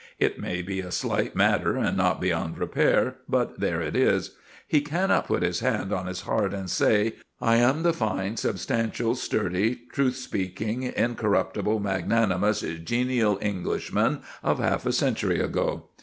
It may be a slight matter and not beyond repair, but there it is. He cannot put his hand on his heart and say; "I am the fine, substantial, sturdy, truth speaking, incorruptible, magnanimous, genial Englishman of half a century ago!"